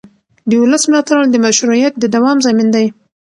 د ولس ملاتړ د مشروعیت د دوام ضامن دی